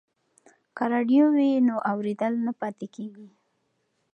که راډیو وي نو اورېدل نه پاتې کیږي.